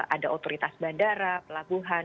ada otoritas bandara pelabuhan